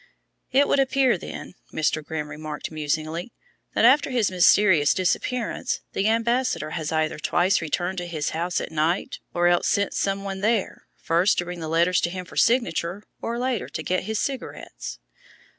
"It would appear, then," Mr. Grimm remarked musingly, "that after his mysterious disappearance the ambassador has either twice returned to his house at night, or else sent some one there, first to bring the letters to him for signature, and later to get his cigarettes?"